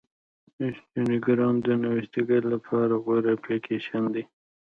انسټاګرام د نوښتګرو لپاره غوره اپلیکیشن دی.